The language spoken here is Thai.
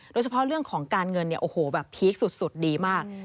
โดยเฉพาะเรื่องของการเงินเนี่ยโอ้โหแบบพีคสุดดีมาก